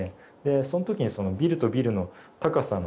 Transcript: そのときにそのビルとビルの高さの差。